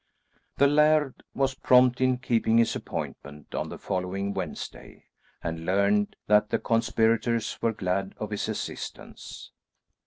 The laird was prompt in keeping his appointment on the following Wednesday, and learned that the conspirators were glad of his assistance.